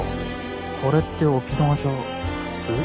これって沖縄じゃ普通？